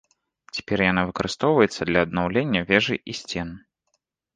Цяпер яна выкарыстоўваецца для аднаўлення вежы і сцен.